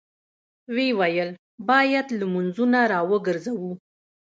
ويې ويل: بايد لمونځونه راوګرځوو!